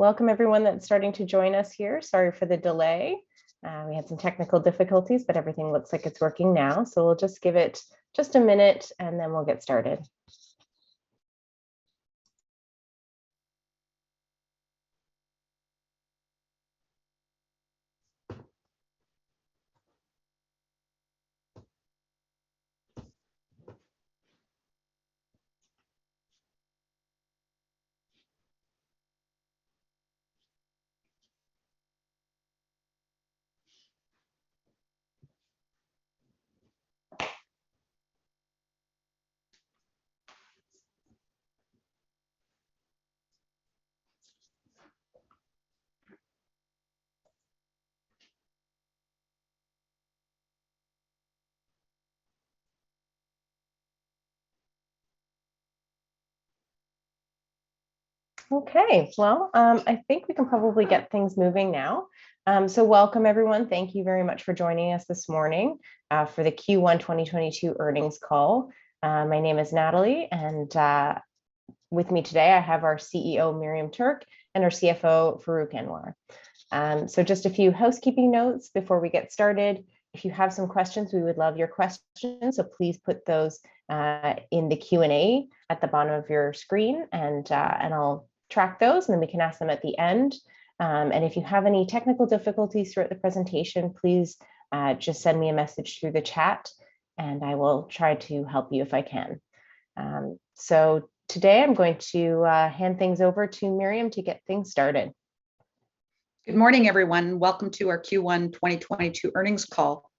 Welcome everyone that's starting to join us here. Sorry for the delay. We had some technical difficulties, but everything looks like it's working now. We'll just give it just a minute, and then we'll get started. Okay. I think we can probably get things moving now. Welcome everyone. Thank you very much for joining us this morning for the Q1 2022 earnings call. My name is Natalie, and with me today I have our CEO, Miriam Tuerk, and our CFO, Farrukh Anwar. Just a few housekeeping notes before we get started. If you have some questions, we would love your questions, so please put those in the Q&A at the bottom of your screen and I'll track those, and then we can ask them at the end. If you have any technical difficulties throughout the presentation, please just send me a message through the chat and I will try to help you if I can. Today I'm going to hand things over to Miriam to get things started. Good morning, everyone. Welcome to our Q1 2022 earnings call.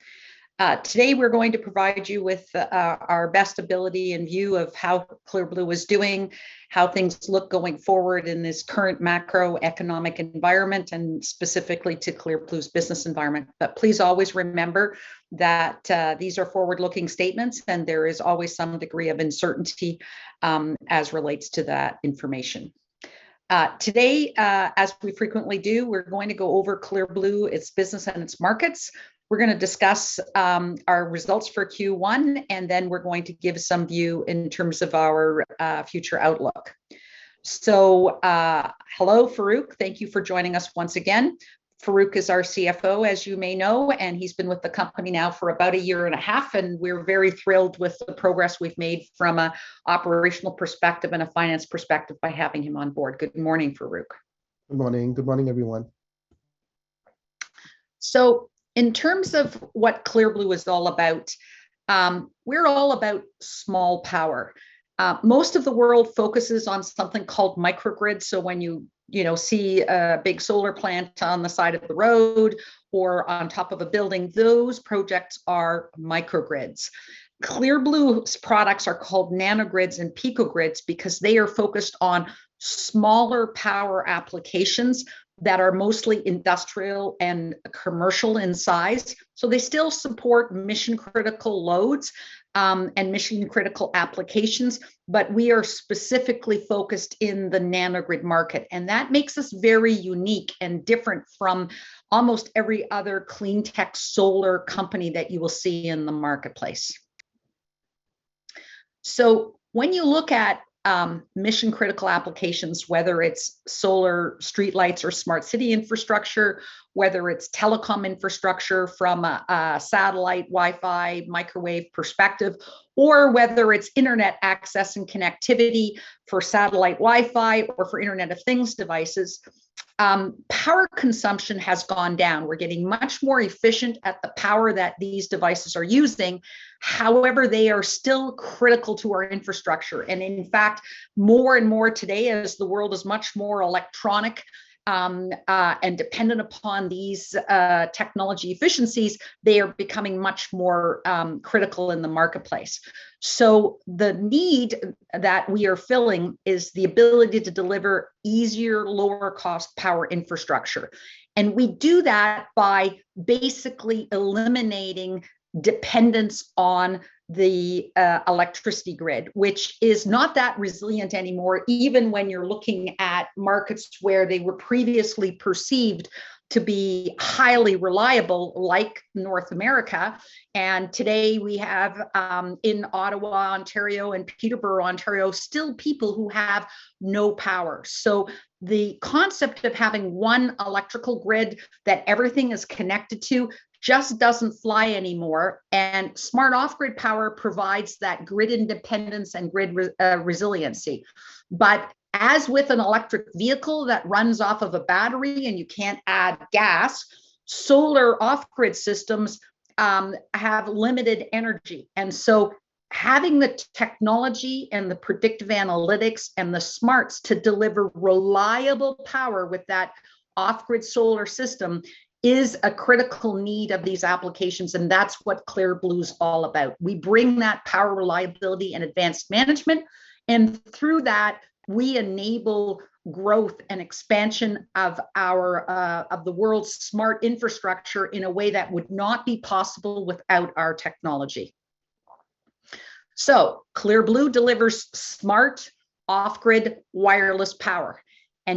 Today we're going to provide you with our best ability and view of how Clear Blue is doing, how things look going forward in this current macroeconomic environment, and specifically to Clear Blue's business environment. Please always remember that these are forward-looking statements, and there is always some degree of uncertainty as relates to that information. Today, as we frequently do, we're going to go over Clear Blue, its business and its markets. We're going to discuss our results for Q1, and then we're going to give some view in terms of our future outlook. Hello, Farrukh. Thank you for joining us once again. Farrukh is our CFO, as you may know, and he's been with the company now for about a year and a half, and we're very thrilled with the progress we've made from an operational perspective and a finance perspective by having him on board. Good morning, Farrukh. Good morning. Good morning, everyone. In terms of what Clear Blue is all about, we're all about small power. Most of the world focuses on something called microgrids. When you know, see a big solar plant on the side of the road or on top of a building, those projects are microgrids. Clear Blue's products are called nanogrids and Pico-Grids because they are focused on smaller power applications that are mostly industrial and commercial in size. They still support mission critical loads, and mission critical applications, but we are specifically focused in the nanogrid market, and that makes us very unique and different from almost every other clean tech solar company that you will see in the marketplace. When you look at mission critical applications, whether it's solar streetlights or smart city infrastructure, whether it's telecom infrastructure from a satellite Wi-Fi microwave perspective, or whether it's internet access and connectivity for satellite Wi-Fi or for Internet of Things devices, power consumption has gone down. We're getting much more efficient at the power that these devices are using. However, they are still critical to our infrastructure. In fact, more and more today, as the world is much more electronic and dependent upon these technology efficiencies, they are becoming much more critical in the marketplace. The need that we are filling is the ability to deliver easier, lower cost power infrastructure. We do that by basically eliminating dependence on the electricity grid, which is not that resilient anymore, even when you're looking at markets where they were previously perceived to be highly reliable, like North America. Today we have in Ottawa, Ontario and Peterborough, Ontario, still people who have no power. The concept of having one electrical grid that everything is connected to just doesn't fly anymore. Smart off-grid power provides that grid independence and grid resiliency. As with an electric vehicle that runs off of a battery and you can't add gas, solar off-grid systems have limited energy. Having the technology and the predictive analytics and the smarts to deliver reliable power with that off-grid solar system is a critical need of these applications, and that's what Clear Blue is all about. We bring that power reliability and advanced management, and through that, we enable growth and expansion of our, of the world's smart infrastructure in a way that would not be possible without our technology. Clear Blue delivers smart off-grid wireless power.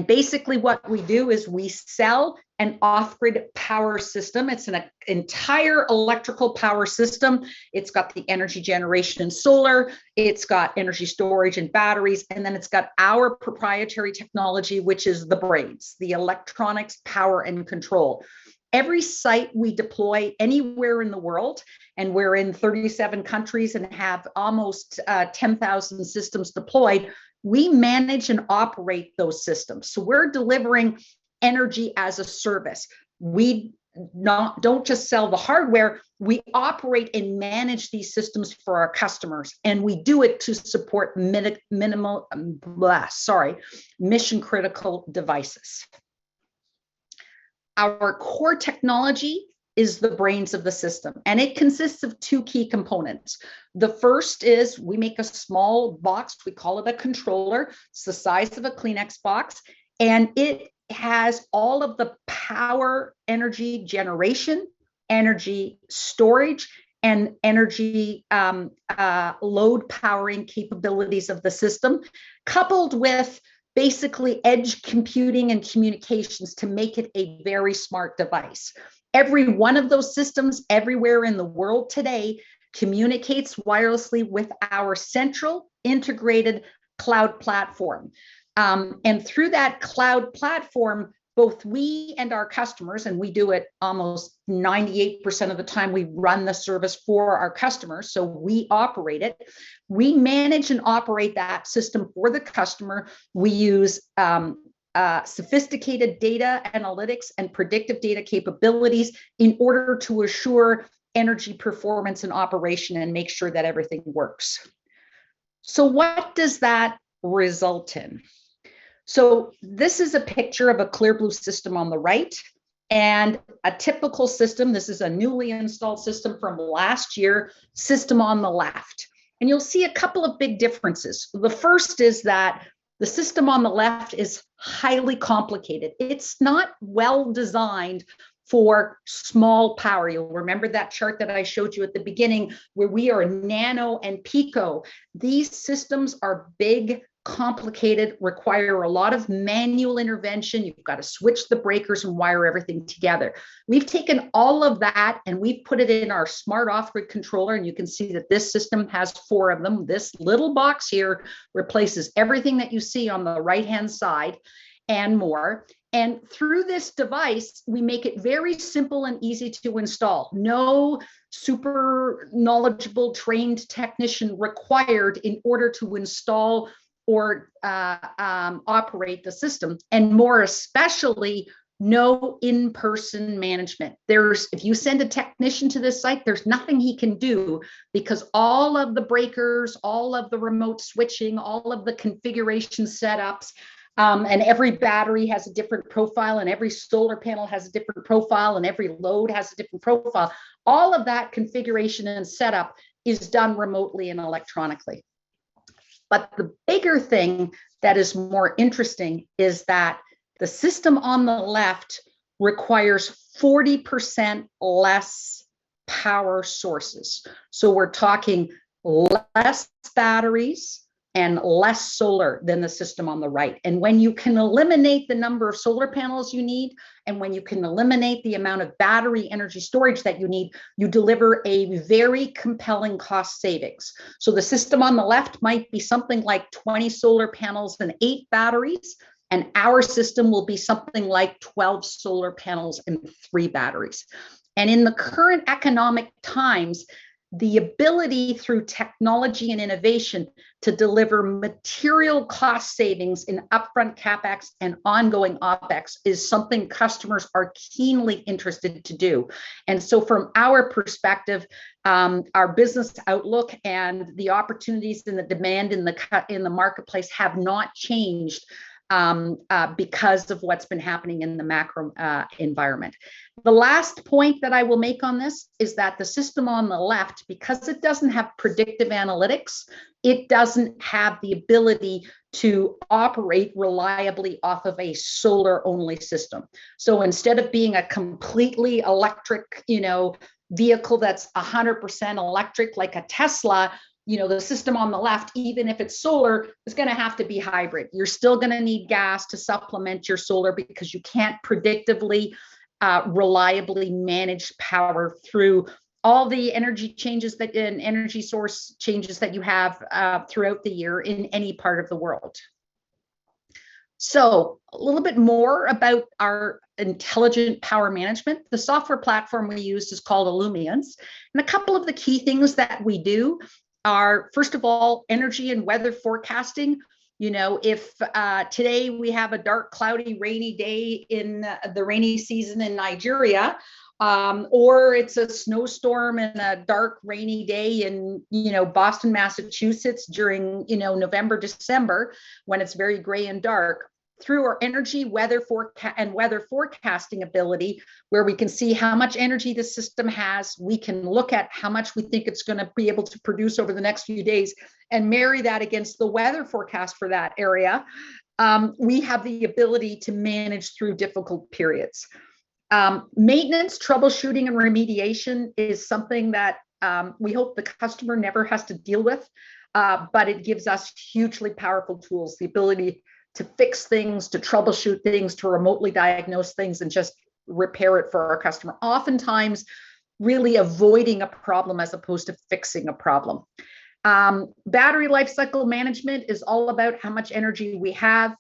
Basically what we do is we sell an off-grid power system. It's an entire electrical power system. It's got the energy generation in solar, it's got energy storage and batteries, and then it's got our proprietary technology, which is the brains, the electronics, power and control. Every site we deploy anywhere in the world, and we're in 37 countries and have almost 10,000 systems deployed, we manage and operate those systems. We're delivering energy as a service. We don't just sell the hardware, we operate and manage these systems for our customers, and we do it to support mission critical devices. Our core technology is the brains of the system, and it consists of two key components. The first is we make a small box, we call it a controller. It's the size of a Kleenex box, and it has all of the power, energy generation, energy storage, and energy load powering capabilities of the system, coupled with basically edge computing and communications to make it a very smart device. Every one of those systems everywhere in the world today communicates wirelessly with our central integrated cloud platform. Through that cloud platform, both we and our customers, and we do it almost 98% of the time, we run the service for our customers, so we operate it. We manage and operate that system for the customer. We use sophisticated data analytics and predictive data capabilities in order to assure energy performance and operation and make sure that everything works. What does that result in? This is a picture of a Clear Blue system on the right and a typical system. This is a newly installed system from last year, system on the left. You'll see a couple of big differences. The first is that the system on the left is highly complicated. It's not well designed for small power. You'll remember that chart that I showed you at the beginning where we are nano and pico. These systems are big, complicated, require a lot of manual intervention. You've got to switch the breakers and wire everything together. We've taken all of that and we've put it in our smart off-grid controller, and you can see that this system has four of them. This little box here replaces everything that you see on the right-hand side and more. Through this device, we make it very simple and easy to install. No super knowledgeable trained technician required in order to install or operate the system. More especially, no in-person management. If you send a technician to this site, there's nothing he can do because all of the breakers, all of the remote switching, all of the configuration setups, and every battery has a different profile and every solar panel has a different profile and every load has a different profile. All of that configuration and setup is done remotely and electronically. The bigger thing that is more interesting is that the system on the left requires 40% less power sources. We're talking less batteries and less solar than the system on the right. When you can eliminate the number of solar panels you need, and when you can eliminate the amount of battery energy storage that you need, you deliver a very compelling cost savings. The system on the left might be something like 20 solar panels and 8 batteries, and our system will be something like 12 solar panels and 3 batteries. In the current economic times, the ability through technology and innovation to deliver material cost savings in upfront CapEx and ongoing OpEx is something customers are keenly interested to do. From our perspective, our business outlook and the opportunities and the demand in the marketplace have not changed because of what's been happening in the macro environment. The last point that I will make on this is that the system on the left, because it doesn't have predictive analytics, it doesn't have the ability to operate reliably off of a solar-only system. So instead of being a completely electric, you know, vehicle that's 100% electric like a Tesla, you know, the system on the left, even if it's solar, is going to have to be hybrid. You're still going to need gas to supplement your solar because you can't predictably reliably manage power through all the energy changes and energy source changes that you have throughout the year in any part of the world. A little bit more about our intelligent power management. The software platform we use is called Illumience. A couple of the key things that we do are, first of all, energy and weather forecasting. If today we have a dark, cloudy, rainy day in the rainy season in Nigeria, or it's a snowstorm and a dark, rainy day in, you know, Boston, Massachusetts during, you know, November, December when it's very gray and dark, through our energy weather forecasting ability where we can see how much energy the system has, we can look at how much we think it's going to be able to produce over the next few days and marry that against the weather forecast for that area, we have the ability to manage through difficult periods. Maintenance, troubleshooting and remediation is something that we hope the customer never has to deal with, but it gives us hugely powerful tools. The ability to fix things, to troubleshoot things, to remotely diagnose things, and just repair it for our customer. Oftentimes really avoiding a problem as opposed to fixing a problem. Battery life cycle management is all about how much energy we have.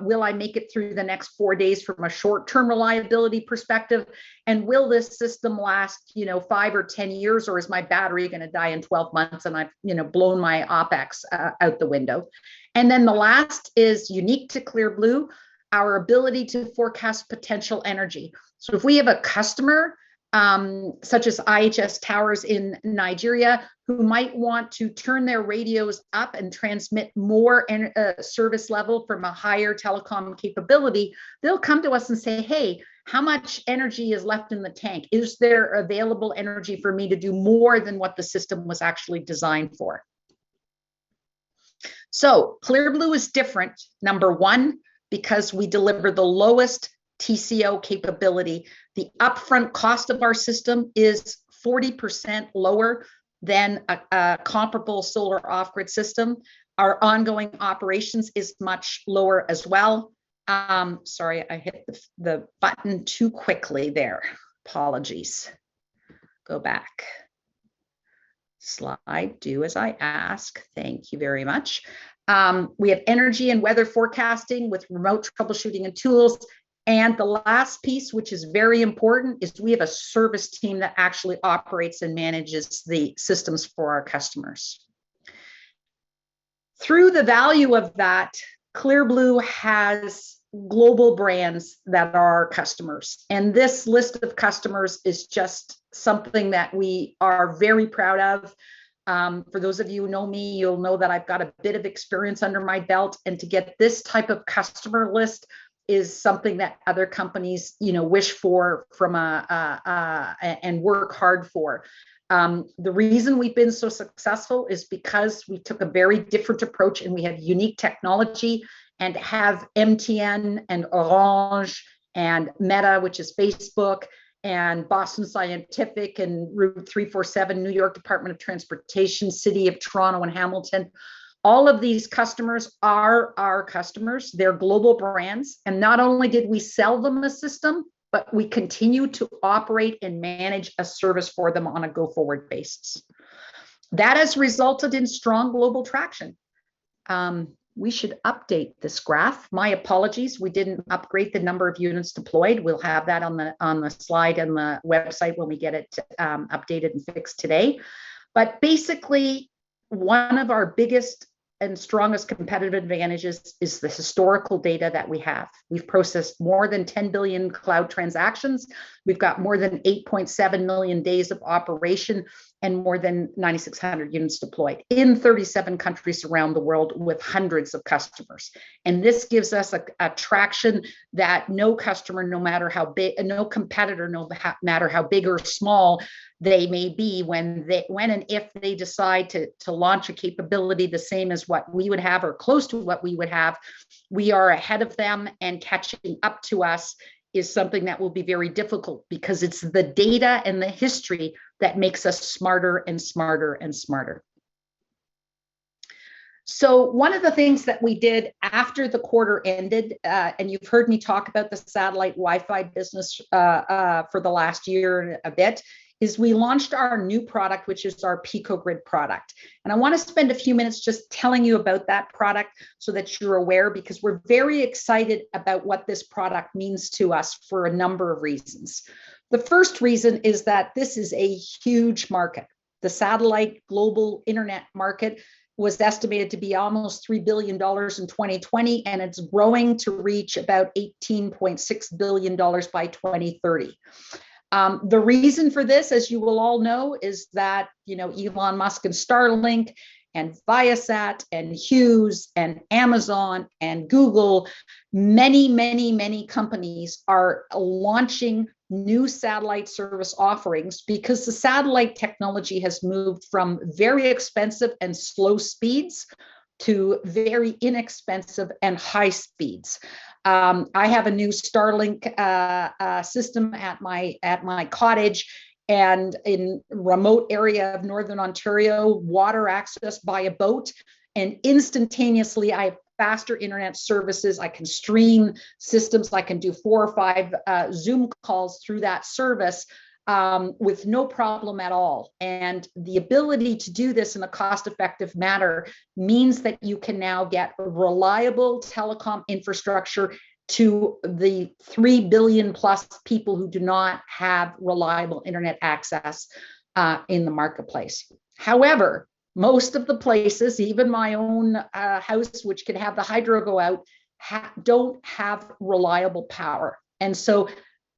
Will I make it through the next 4 days from a short-term reliability perspective? Will this system last 5 or 10 years, or is my battery going to die in 12 months and I've, blown my OpEx out the window? Then the last is unique to Clear Blue, our ability to forecast potential energy. If we have a customer, such as IHS Towers in Nigeria, who might want to turn their radios up and transmit more end-user service level from a higher telecom capability, they'll come to us and say, "Hey, how much energy is left in the tank? Is there available energy for me to do more than what the system was actually designed for?" Clear Blue is different, number one, because we deliver the lowest TCO capability. The upfront cost of our system is 40% lower than a comparable solar off-grid system. Our ongoing operations is much lower as well. Sorry, I hit the button too quickly there. Apologies. Go back. Slide, do as I ask. Thank you very much. We have energy and weather forecasting with remote troubleshooting and tools. The last piece, which is very important, is we have a service team that actually operates and manages the systems for our customers. Through the value of that, Clear Blue has global brands that are our customers, and this list of customers is just something that we are very proud of. For those of you who know me, you'll know that I've got a bit of experience under my belt, and to get this type of customer list is something that other companies wish for and work hard for. The reason we've been so successful is because we took a very different approach, and we have unique technology and have MTN and Orange and Meta, which is Facebook, and Boston Scientific and Route 347 New York State Department of Transportation, City of Toronto and Hamilton. All of these customers are our customers. They're global brands, and not only did we sell them the system, but we continue to operate and manage a service for them on a go-forward basis. That has resulted in strong global traction. We should update this graph. My apologies. We didn't update the number of units deployed. We'll have that on the slide and the website when we get it updated and fixed today. Basically, one of our biggest and strongest competitive advantages is the historical data that we have. We've processed more than 10 billion cloud transactions. We've got more than 8.7 million days of operation and more than 9,600 units deployed in 37 countries around the world with hundreds of customers. This gives us a traction that no customer, no matter how big. No competitor, no matter how big or small they may be, when and if they decide to launch a capability the same as what we would have or close to what we would have, we are ahead of them, and catching up to us is something that will be very difficult because it's the data and the history that makes us smarter and smarter and smarter. One of the things that we did after the quarter ended, and you've heard me talk about the satellite Wi-Fi business for the last year a bit, is we launched our new product, which is our Pico-Grid product. I want to spend a few minutes just telling you about that product so that you're aware, because we're very excited about what this product means to us for a number of reasons. The first reason is that this is a huge market. The satellite global internet market was estimated to be almost $3 billion in 2020, and it's growing to reach about $18.6 billion by 2030. The reason for this, as you will all know, is that Elon Musk and Starlink and Viasat and Hughes and Amazon and Google, many, many, many companies are launching new satellite service offerings because the satellite technology has moved from very expensive and slow speeds to very inexpensive and high speeds. I have a new Starlink system at my cottage and in a remote area of northern Ontario, water accessed by a boat, and instantaneously I have faster internet services. I can stream systems. I can do 4 or 5 Zoom calls through that service with no problem at all. The ability to do this in a cost-effective manner means that you can now get reliable telecom infrastructure to the 3 billion-plus people who do not have reliable internet access in the marketplace. However, most of the places, even my own house, which could have the hydro go out, don't have reliable power.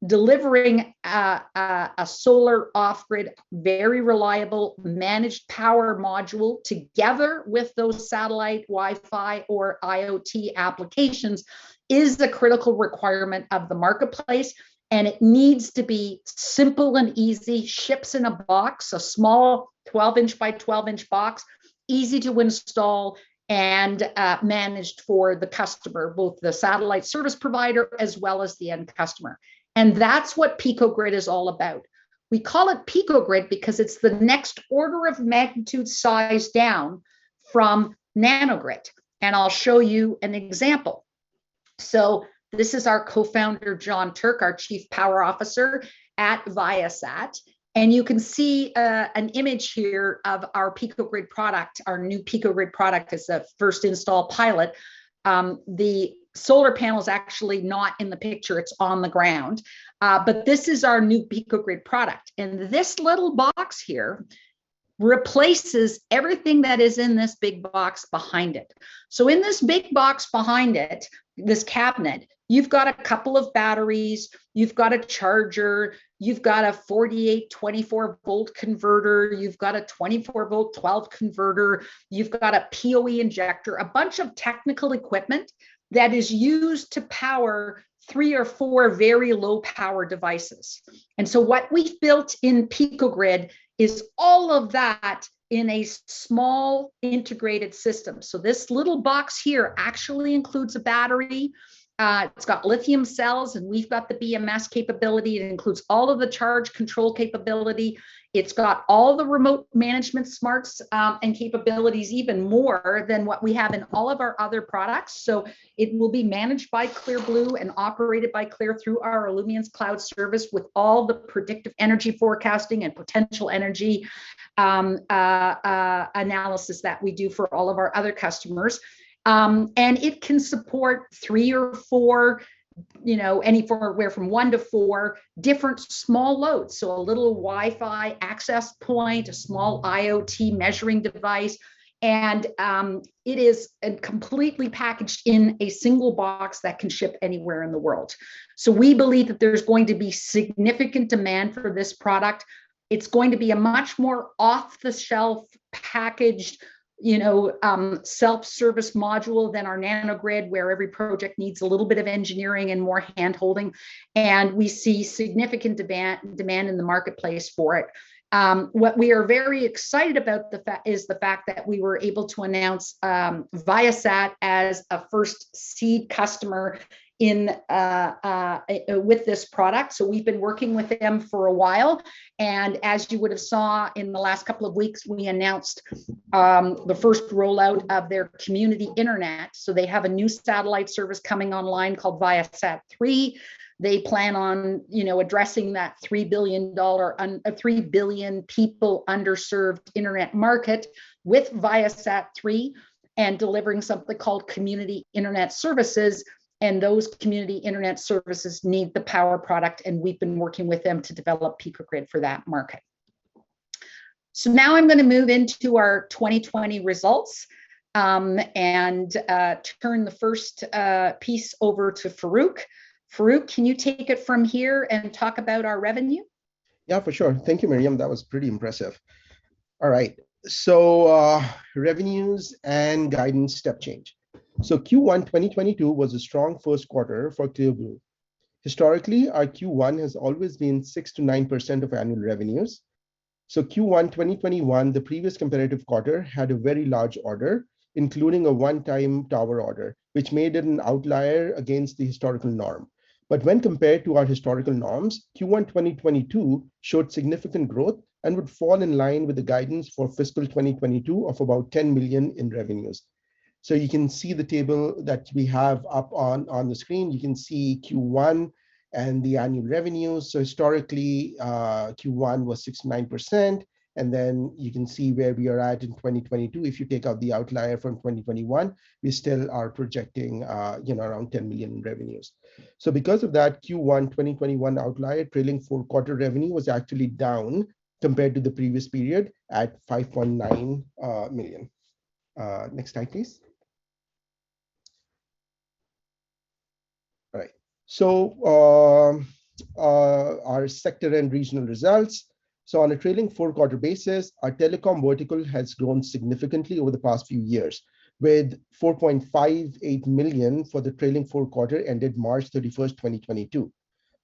Delivering a solar off-grid, very reliable managed power module together with those satellite, Wi-Fi or IoT applications is the critical requirement of the marketplace, and it needs to be simple and easy, ships in a box, a small 12-inch by 12-inch box, easy to install and managed for the customer, both the satellite service provider as well as the end customer. That's what Pico-Grid is all about. We call it Pico-Grid because it's the next order of magnitude size down from Nano-Grid, and I'll show you an example. This is our co-founder, John Tuerk, our chief power officer at Viasat. You can see an image here of our Pico-Grid product. Our new Pico-Grid product is the first install pilot. The solar panel is actually not in the picture, it's on the ground. This is our new Pico-Grid product. This little box here replaces everything that is in this big box behind it. In this big box behind it, this cabinet, you've got a couple of batteries, you've got a charger, you've got a 48, 24-volt converter, you've got a 24-volt 12 converter, you've got a PoE injector. A bunch of technical equipment that is used to power three or four very low power devices. What we built in Pico-Grid is all of that in a small integrated system. This little box here actually includes a battery, it's got lithium cells, and we've got the BMS capability. It includes all of the charge control capability, it's got all the remote management smarts, and capabilities, even more than what we have in all of our other products. It will be managed by Clear Blue and operated by Clear through our Illumience's cloud service with all the predictive energy forecasting and potential energy analysis that we do for all of our other customers. It can support three or four anywhere from one to four different small loads. A little Wi-Fi access point, a small IoT measuring device. It is completely packaged in a single box that can ship anywhere in the world. We believe that there's going to be significant demand for this product. It's going to be a much more off-the-shelf packaged, self-service module than our NanoGrid, where every project needs a little bit of engineering and more hand-holding, and we see significant demand in the marketplace for it. What we are very excited about is the fact that we were able to announce Viasat as a first seed customer with this product. We've been working with them for a while, and as you would have saw in the last couple of weeks, we announced the first rollout of their Community Internet. They have a new satellite service coming online called ViaSat-3. They plan on addressing that 3 billion people underserved internet market with ViaSat-3 and delivering something called Community Internet services, and those Community Internet services need the power product, and we've been working with them to develop Pico-Grid for that market. Now I'm going to move into our 2020 results, and turn the first piece over to Farrukh. Farrukh, can you take it from here and talk about our revenue? Yeah, for sure. Thank you, Miriam. That was pretty impressive. All right, revenues and guidance step change. Q1 2022 was a strong first quarter for Clear Blue. Historically, our Q1 has always been 6%-9% of annual revenues. Q1 2021, the previous comparable quarter, had a very large order, including a one-time tower order, which made it an outlier against the historical norm. When compared to our historical norms, Q1 2022 showed significant growth and would fall in line with the guidance for fiscal 2022 of about 10 million in revenues. You can see the table that we have up on the screen. You can see Q1 and the annual revenues. Historically, Q1 was 6%-9%, and then you can see where we are at in 2022. If you take out the outlier from 2021, we still are projecting, around 10 million in revenues. Because of that Q1 2021 outlier, trailing four-quarter revenue was actually down compared to the previous period at 5.9 million. Next slide, please. All right. Our sector and regional results. On a trailing four-quarter basis, our telecom vertical has grown significantly over the past few years, with 4.58 million for the trailing four-quarter ended March 31, 2022.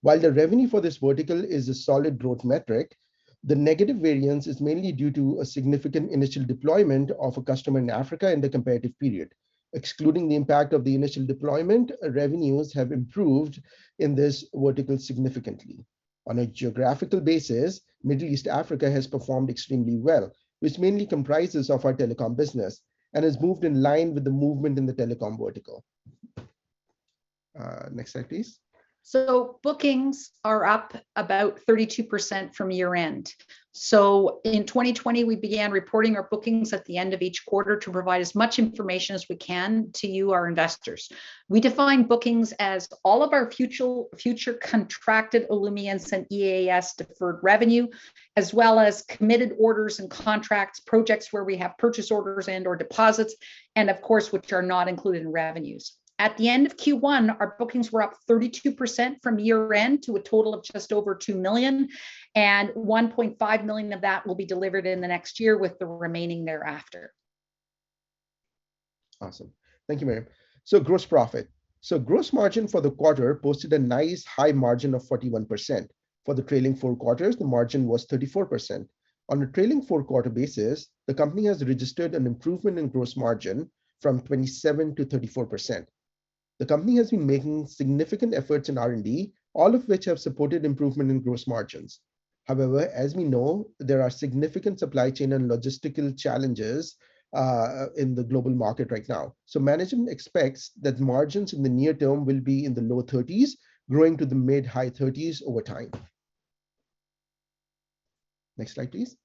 While the revenue for this vertical is a solid growth metric, the negative variance is mainly due to a significant initial deployment of a customer in Africa in the comparative period. Excluding the impact of the initial deployment, revenues have improved in this vertical significantly. On a geographical basis, Middle East and Africa has performed extremely well, which mainly comprises of our telecom business and has moved in line with the movement in the telecom vertical. Next slide, please. Bookings are up about 32% from year-end. In 2020, we began reporting our bookings at the end of each quarter to provide as much information as we can to you, our investors. We define bookings as all of our future contracted Illumience and EaaS deferred revenue, as well as committed orders and contracts, projects where we have purchase orders and/or deposits, and of course, which are not included in revenues. At the end of Q1, our bookings were up 32% from year-end to a total of just over 2 million, and 1.5 million of that will be delivered in the next year, with the remaining thereafter. Awesome. Thank you, Miriam. Gross profit. Gross margin for the quarter posted a nice high margin of 41%. For the trailing four quarters, the margin was 34%. On a trailing four-quarter basis, the company has registered an improvement in gross margin from 27%-34%. The company has been making significant efforts in R&D, all of which have supported improvement in gross margins. However, as we know, there are significant supply chain and logistical challenges in the global market right now. Management expects that margins in the near term will be in the low thirties, growing to the mid-high thirties over time. Next slide, please.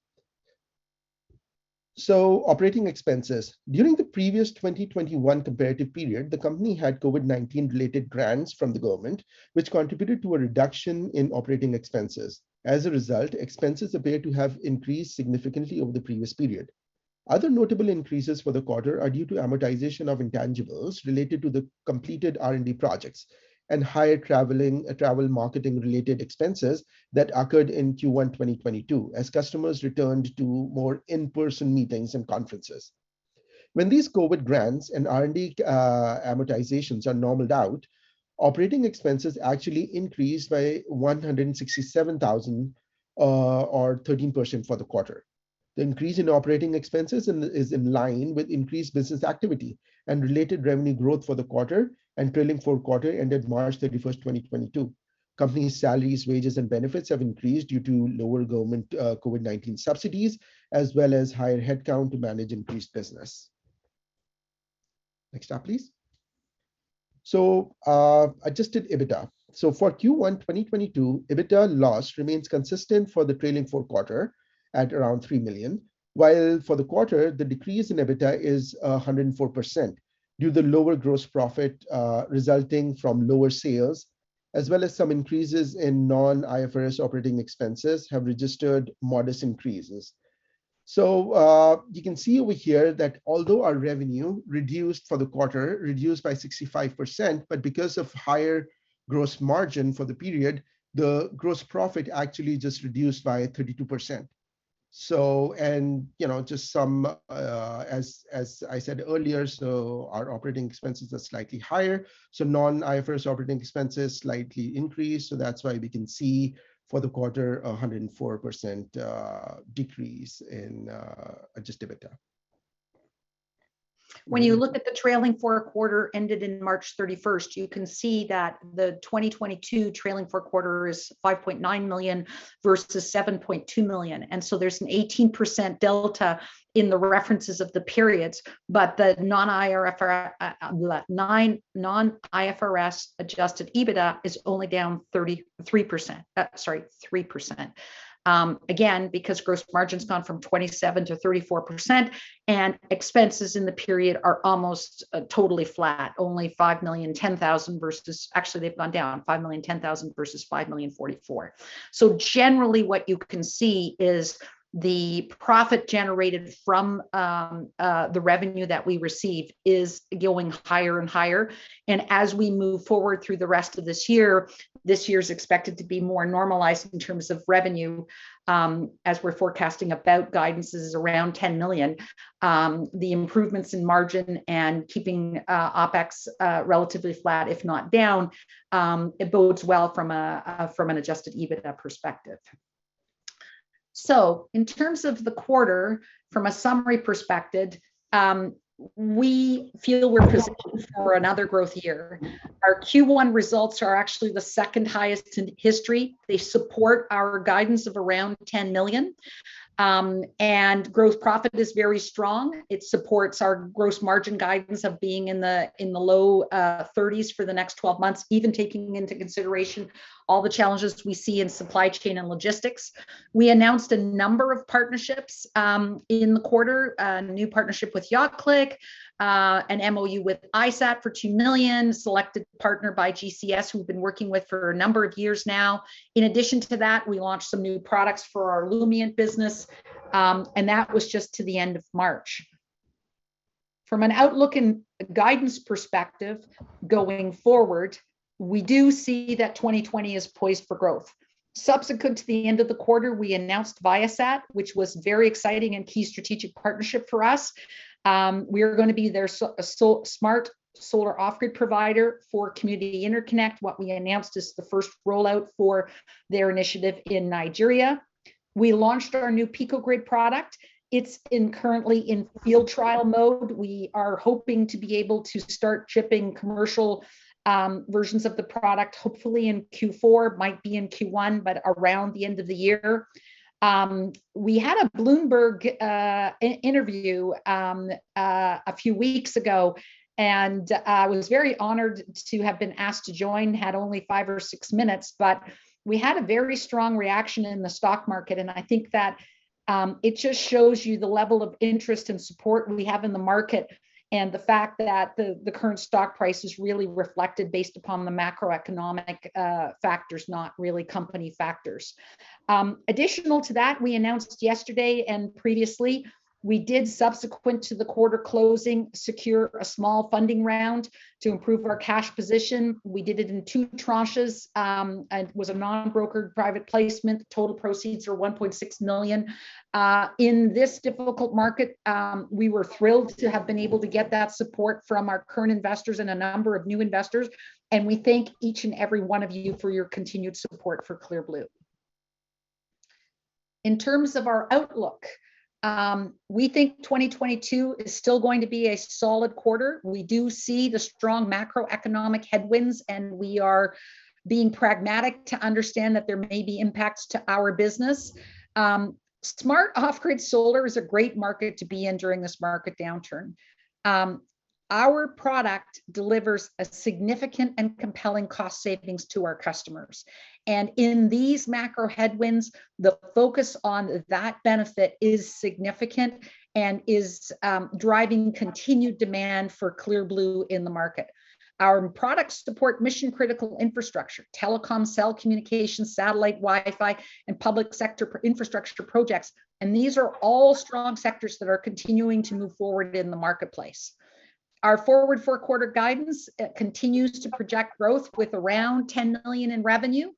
Operating expenses. During the previous 2021 comparative period, the company had COVID-19 related grants from the government, which contributed to a reduction in operating expenses. As a result, expenses appear to have increased significantly over the previous period. Other notable increases for the quarter are due to amortization of intangibles related to the completed R&D projects and higher travel marketing related expenses that occurred in Q1 2022 as customers returned to more in-person meetings and conferences. When these COVID grants and R&D amortizations are normalized out, operating expenses actually increased by 167,000 or 13% for the quarter. The increase in operating expenses is in line with increased business activity and related revenue growth for the quarter and trailing four quarters ended March 31, 2022. Company salaries, wages, and benefits have increased due to lower government COVID-19 subsidies, as well as higher headcount to manage increased business. Next slide, please. Adjusted EBITDA. For Q1 2022, EBITDA loss remains consistent for the trailing four quarters at around 3 million, while for the quarter the decrease in EBITDA is 104% due to lower gross profit resulting from lower sales as well as some increases in non-IFRS operating expenses have registered modest increases. You can see over here that although our revenue reduced for the quarter by 65%, but because of higher gross margin for the period, the gross profit actually just reduced by 32%. As I said earlier, our operating expenses are slightly higher, so non-IFRS operating expenses slightly increased, so that's why we can see for the quarter 104% decrease in adjusted EBITDA. When you look at the trailing four quarters ended March thirty-first, you can see that the 2022 trailing four quarters is 5.9 million versus 7.2 million, and there's an 18% delta in the revenues of the periods. The non-IFRS adjusted EBITDA is only down 3%, again, because gross margin's gone from 27%-34% and expenses in the period are almost totally flat, only 5.01 million versus. Actually they've gone down, 5.01 million versus 5.044 million. Generally what you can see is the profit generated from the revenue that we receive is going higher and higher. As we move forward through the rest of this year, this year is expected to be more normalized in terms of revenue, as we're forecasting about guidance is around 10 million. The improvements in margin and keeping OpEx relatively flat, if not down, it bodes well from an adjusted EBITDA perspective. In terms of the quarter, from a summary perspective, we feel we're positioned for another growth year. Our Q1 results are actually the second highest in history. They support our guidance of around 10 million, and growth profit is very strong. It supports our gross margin guidance of being in the low 30s% for the next twelve months, even taking into consideration all the challenges we see in supply chain and logistics. We announced a number of partnerships in the quarter. A new partnership with YachtCloud, an MOU with iSAT Africa for 2 million, selected partner by GCES who we've been working with for a number of years now. In addition to that, we launched some new products for our Illumient business, and that was just to the end of March. From an outlook and guidance perspective going forward, we do see that 2020 is poised for growth. Subsequent to the end of the quarter, we announced Viasat, which was very exciting and key strategic partnership for us. We are going to be their solar smart off-grid provider for Community Internet. What we announced is the first rollout for their initiative in Nigeria. We launched our new Pico-Grid product. It's currently in field trial mode. We are hoping to be able to start shipping commercial versions of the product hopefully in Q4. Might be in Q1, but around the end of the year. We had a Bloomberg interview a few weeks ago, and I was very honored to have been asked to join. Had only five or six minutes, but we had a very strong reaction in the stock market and I think that it just shows you the level of interest and support we have in the market and the fact that the current stock price is really reflected based upon the macroeconomic factors, not really company factors. Additional to that, we announced yesterday and previously we did, subsequent to the quarter closing, secure a small funding round to improve our cash position. We did it in two tranches, and it was a non-brokered private placement. Total proceeds were 1.6 million. In this difficult market, we were thrilled to have been able to get that support from our current investors and a number of new investors, and we thank each and every one of you for your continued support for Clear Blue. In terms of our outlook, we think 2022 is still going to be a solid quarter. We do see the strong macroeconomic headwinds, and we are being pragmatic to understand that there may be impacts to our business. Smart off-grid solar is a great market to be in during this market downturn. Our product delivers a significant and compelling cost savings to our customers. In these macro headwinds, the focus on that benefit is significant and is driving continued demand for Clear Blue in the market. Our products support mission-critical infrastructure, telecom, cell communication, satellite, Wi-Fi, and public sector infrastructure projects, and these are all strong sectors that are continuing to move forward in the marketplace. Our forward four-quarter guidance continues to project growth with around 10 million in revenue.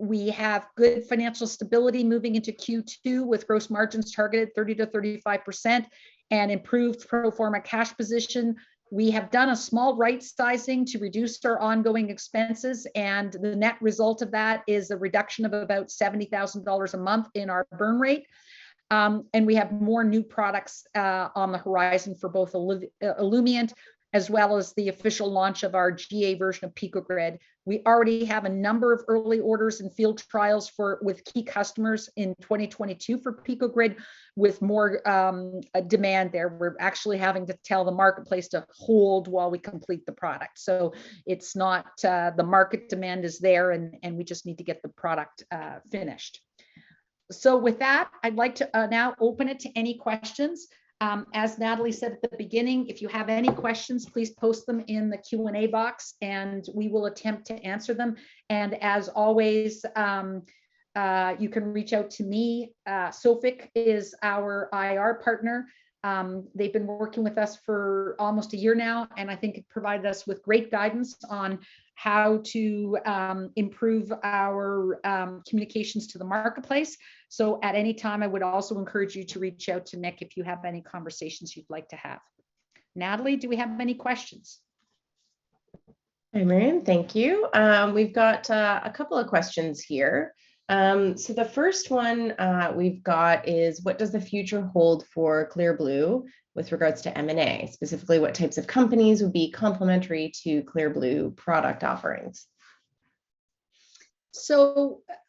We have good financial stability moving into Q2 with gross margins targeted 30%-35% and improved pro forma cash position. We have done a small right-sizing to reduce our ongoing expenses, and the net result of that is a reduction of about 70,000 dollars a month in our burn rate. We have more new products on the horizon for both Illumient as well as the official launch of our GA version of Pico-Grid. We already have a number of early orders and field trials with key customers in 2022 for Pico-Grid with more demand there. We're actually having to tell the marketplace to hold while we complete the product. It's not the market demand is there and we just need to get the product finished. With that, I'd like to now open it to any questions. As Natalie said at the beginning, if you have any questions, please post them in the Q&A box, and we will attempt to answer them. As always, you can reach out to me. Sophic is our IR partner. They've been working with us for almost a year now, and I think it provided us with great guidance on how to improve our communications to the marketplace. At any time, I would also encourage you to reach out to Nick if you have any conversations you'd like to have. Natalie, do we have many questions? Hey, Miriam. Thank you. We've got a couple of questions here. The first one we've got is, "What does the future hold for Clear Blue with regards to M&A? Specifically, what types of companies would be complementary to Clear Blue product offerings?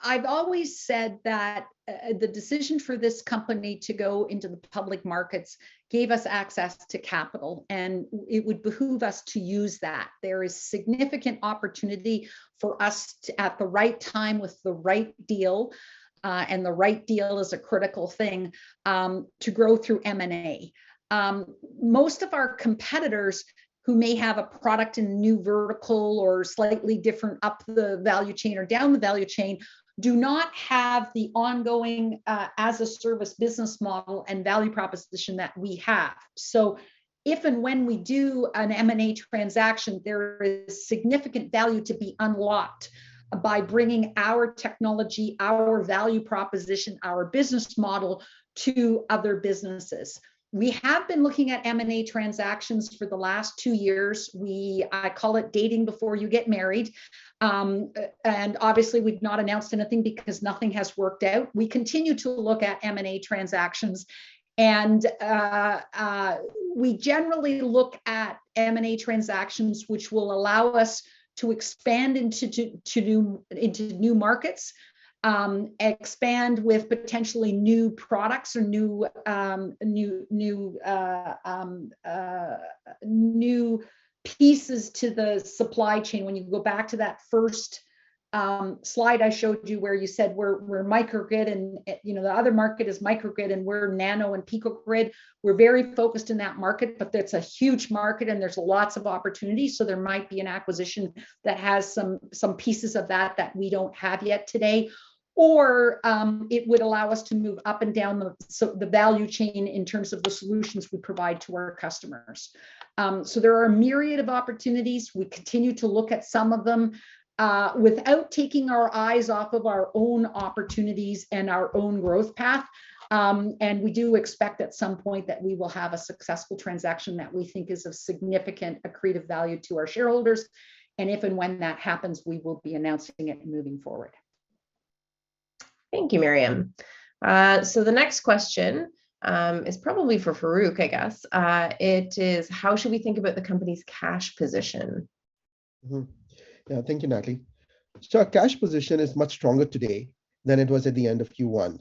I've always said that, the decision for this company to go into the public markets gave us access to capital, and it would behoove us to use that. There is significant opportunity for us to, at the right time, with the right deal, and the right deal is a critical thing, to grow through M&A. Most of our competitors who may have a product in a new vertical or slightly different up the value chain or down the value chain do not have the ongoing, as-a-service business model and value proposition that we have. If and when we do an M&A transaction, there is significant value to be unlocked by bringing our technology, our value proposition, our business model to other businesses. We have been looking at M&A transactions for the last two years. I call it dating before you get married. Obviously, we've not announced anything because nothing has worked out. We continue to look at M&A transactions. We generally look at M&A transactions which will allow us to expand into new markets, expand with potentially new products or new pieces to the supply chain. When you go back to that first slide I showed you where you said we're microgrid, and the other market is microgrid, and we're Nano-Grid and Pico-Grid. We're very focused in that market, but that's a huge market, and there's lots of opportunities, so there might be an acquisition that has some pieces of that that we don't have yet today. It would allow us to move up and down the value chain in terms of the solutions we provide to our customers. There are a myriad of opportunities. We continue to look at some of them, without taking our eyes off of our own opportunities and our own growth path. We do expect at some point that we will have a successful transaction that we think is of significant accretive value to our shareholders. If and when that happens, we will be announcing it moving forward. Thank you, Miriam. The next question is probably for Farrukh. It is, "How should we think about the company's cash position? Thank you, Natalie. Our cash position is much stronger today than it was at the end of Q1.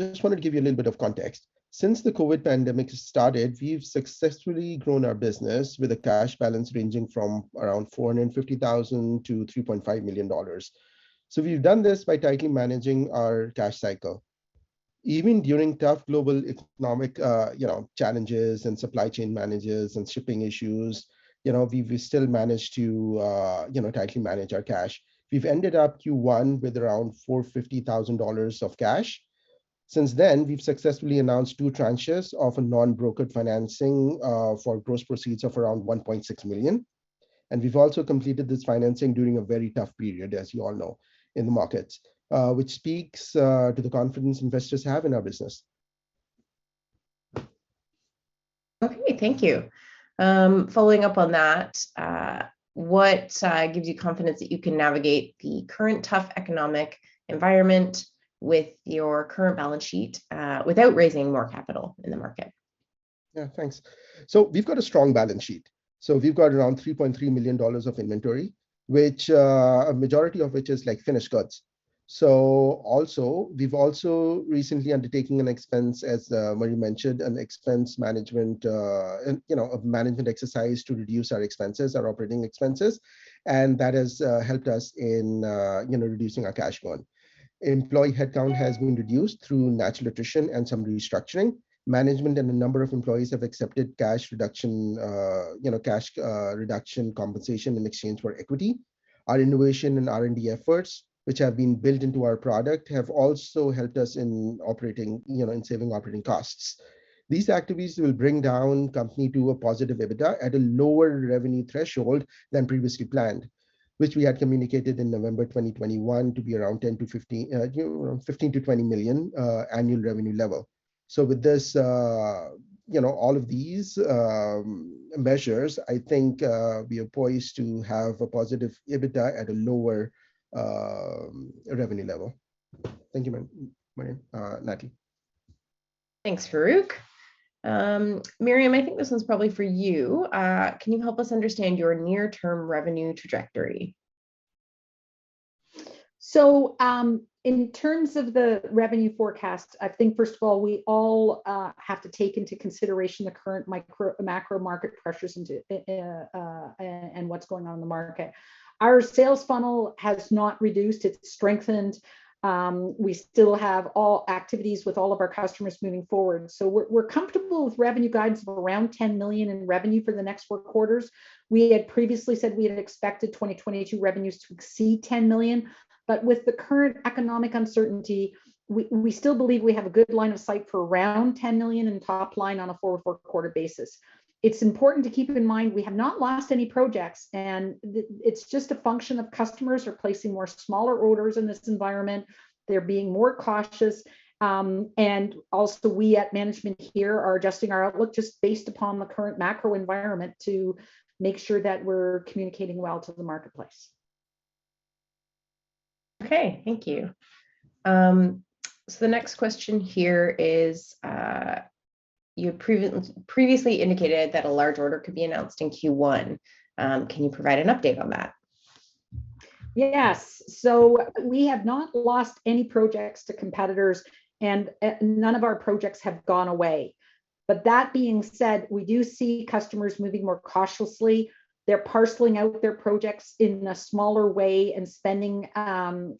Just wanted to give you a little bit of context. Since the COVID pandemic started, we've successfully grown our business with a cash balance ranging from around 450, 000 to 3.5 million dollars. We've done this by tightly managing our cash cycle. Even during tough global economic challenges and supply chain management and shipping issues, we've still managed to tightly manage our cash. We've ended Q1 with around 450 dollars, 000 of cash. Since then, we've successfully announced two tranches of a non-brokered financing for gross proceeds of around 1.6 million, and we've also completed this financing during a very tough period, as you all know, in the markets, which speaks to the confidence investors have in our business. Great. Thank you. Following up on that, what gives you confidence that you can navigate the current tough economic environment with your current balance sheet, without raising more capital in the market? Yeah, thanks. We've got a strong balance sheet. We've got around 3.3 million dollars of inventory, which, a majority of which is, like, finished goods. We've also recently undertaken an expense management, as Miriam mentioned, and a management exercise to reduce our expenses, our operating expenses, and that has helped us in reducing our cash burn. Employee headcount has been reduced through natural attrition and some restructuring. Management and a number of employees have accepted cash reduction compensation in exchange for equity. Our innovation and R&D efforts, which have been built into our product, have also helped us in operating in saving operating costs. These activities will bring the company to a positive EBITDA at a lower revenue threshold than previously planned, which we had communicated in November 2021 to be around 10 million-15 million, around 15 million-20 million annual revenue level. With all of these measures, I think, we are poised to have a positive EBITDA at a lower revenue level. Thank you, Miriam. Natalie. Thanks, Farrukh. Miriam, I think this one's probably for you. Can you help us understand your near-term revenue trajectory? In terms of the revenue forecast, I think first of all, we all have to take into consideration the current macro market pressures and what's going on in the market. Our sales funnel has not reduced. It's strengthened. We still have all activities with all of our customers moving forward. We're comfortable with revenue guidance of around 10 million in revenue for the next four quarters. We had previously said we had expected 2022 revenues to exceed 10 million. With the current economic uncertainty, we still believe we have a good line of sight for around 10 million in top line on a four-quarter basis. It's important to keep in mind we have not lost any projects, and it's just a function of customers are placing more smaller orders in this environment. They're being more cautious. We at management here are adjusting our outlook just based upon the current macro environment to make sure that we're communicating well to the marketplace. Okay. Thank you. The next question here is, you previously indicated that a large order could be announced in Q1. Can you provide an update on that? Yes. We have not lost any projects to competitors, and none of our projects have gone away. That being said, we do see customers moving more cautiously. They're parceling out their projects in a smaller way and spending their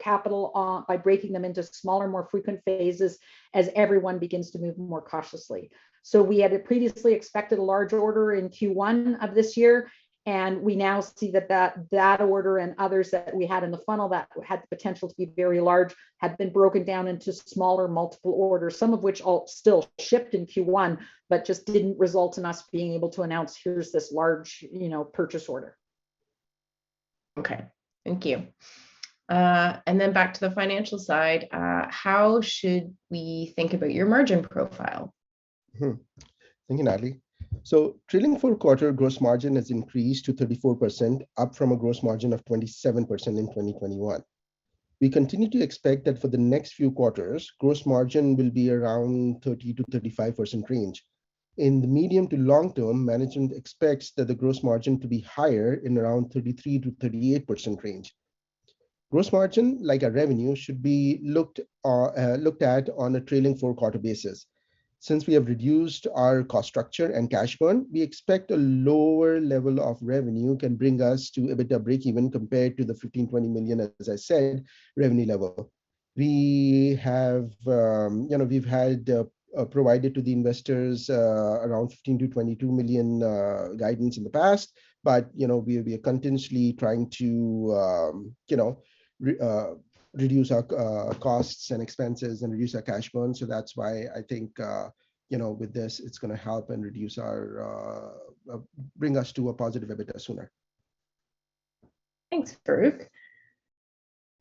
capital by breaking them into smaller, more frequent phases as everyone begins to move more cautiously. We had previously expected a large order in Q1 of this year, and we now see that that order and others that we had in the funnel that had the potential to be very large have been broken down into smaller, multiple orders, some of which all still shipped in Q1 but just didn't result in us being able to announce, "Here's this large, you know, purchase order. Okay. Thank you. Back to the financial side, how should we think about your margin profile? Thank you, Natalie. Trailing four-quarter gross margin has increased to 34%, up from a gross margin of 27% in 2021. We continue to expect that for the next few quarters, gross margin will be around 30%-35% range. In the medium to long term, management expects that the gross margin to be higher in around 33%-38% range. Gross margin, like our revenue, should be looked at on a trailing four-quarter basis. Since we have reduced our cost structure and cash burn, we expect a lower level of revenue can bring us to EBITDA breakeven compared to the 15 million-20 million, as I said, revenue level. We have, you know, we've had provided to the investors around 15-22 million guidance in the past, but, you know, we are continuously trying to, you know, reduce our costs and expenses and reduce our cash burn. That's why I think, you know, with this, it's going to help and bring us to a positive EBITDA sooner. Thanks, Farrukh.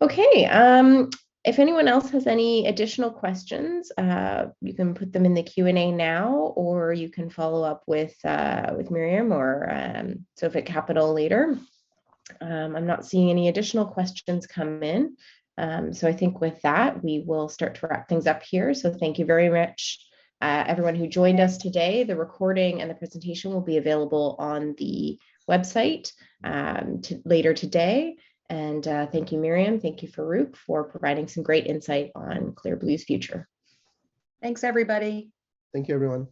Okay. If anyone else has any additional questions, you can put them in the Q&A now, or you can follow up with Miriam or Sophic Capital later. I'm not seeing any additional questions come in. I think with that, we will start to wrap things up here. Thank you very much, everyone who joined us today. The recording and the presentation will be available on the website later today. Thank you, Miriam, thank you, Farrukh, for providing some great insight on Clear Blue's future. Thanks, everybody. Thank you, everyone.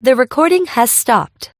The recording has stopped.